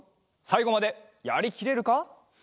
さいごまでやりきれるか？